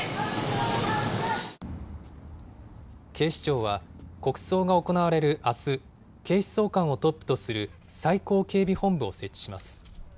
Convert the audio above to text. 警視庁は、国葬が行われるあす、警視総監をトップとする最高警備本部を設置します。